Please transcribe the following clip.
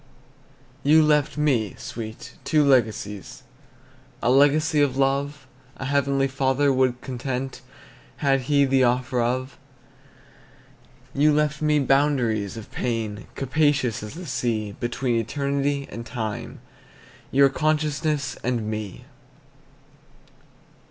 You left me, sweet, two legacies, A legacy of love A Heavenly Father would content, Had He the offer of; You left me boundaries of pain Capacious as the sea, Between eternity and time, Your consciousness and me.